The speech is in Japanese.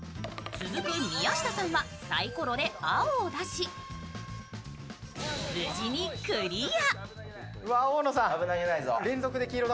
続く宮下さんは、サイコロで青を出し、無事にクリア。